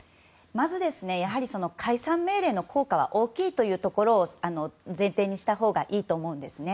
まず、解散命令の効果は大きいというところを前提にしたほうがいいと思うんですね。